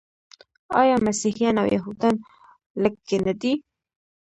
آیا مسیحیان او یهودان لږکي نه دي؟